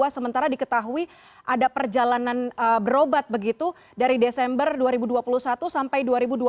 sementara diketahui ada perjalanan berobat begitu dari desember dua ribu dua puluh satu sampai dua ribu dua puluh